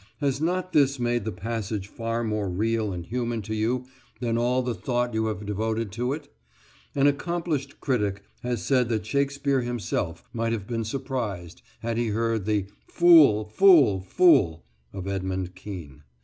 Has not this made the passage far more real and human to you than all the thought you have devoted to it? An accomplished critic has said that Shakespeare himself might have been surprised had he heard the "Fool, fool, fool!" of Edmund Kean.